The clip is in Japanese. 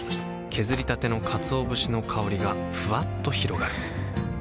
削りたてのかつお節の香りがふわっと広がるはぁ。